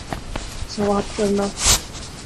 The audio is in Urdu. سوات کرنا